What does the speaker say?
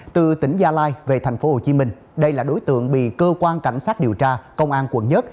từ tỉnh gia lai về tp hcm đây là đối tượng bị cơ quan cảnh sát điều tra công an quận một